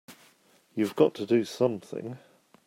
You've got to do something!